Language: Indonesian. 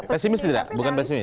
pesimis tidak bukan pesimis